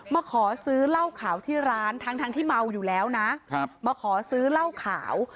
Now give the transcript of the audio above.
มาขอซื้อเล่าข่าวที่ร้านทางทางที่เมาอยู่แล้วนะครับมาขอซื้อเล่าข่าว